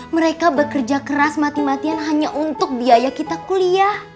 mereka bekerja keras mati matian hanya untuk biaya kita kuliah